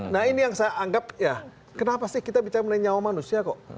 nah ini yang saya anggap ya kenapa sih kita bicara mengenai nyawa manusia kok